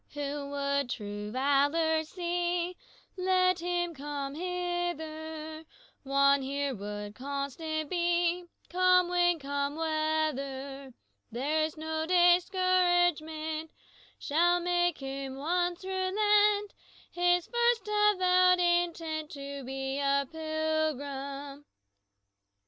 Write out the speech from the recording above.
"Who would true valor see, Let him come hither; One here will constant be, Come wind, come weather; There's no discouragement Shall make him once relent His first avowed intent To be a pilgrim.